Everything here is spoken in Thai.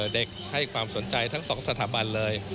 ให้ความสนใจทั้งสองสถาบันเลย